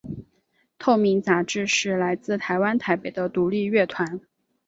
透明杂志是来自台湾台北的独立乐团。